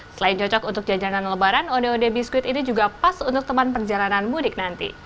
selain cocok untuk jajanan lebaran ode odeh biskuit ini juga pas untuk teman perjalanan mudik nanti